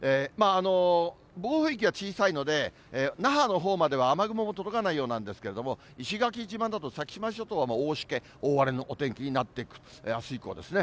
暴風域は小さいので、那覇のほうまでは雨雲も届かないようなんですけれども、石垣島など先島諸島は大しけ、大荒れのお天気になってくる、あす以降ですね。